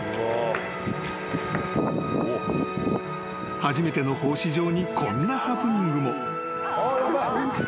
［初めての放飼場にこんなハプニングも］